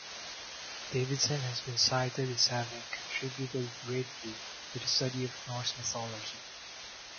Davidson has been cited as having "contributed greatly" to the study of Norse mythology.